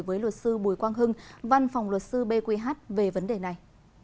với luật sư bùi quang hưng văn phòng luật sư bqh về vấn đề này